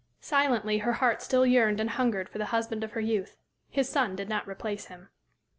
Silently her heart still yearned and hungered for the husband of her youth; his son did not replace him.